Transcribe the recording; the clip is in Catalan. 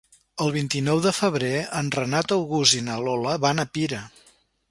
El vint-i-nou de febrer en Renat August i na Lola van a Pira.